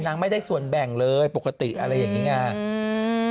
ไม่ได้ส่วนแบ่งเลยปกติอะไรอย่างนี้ไง